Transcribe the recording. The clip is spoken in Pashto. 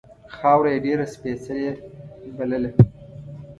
خاوره یې ډېره سپېڅلې بلله.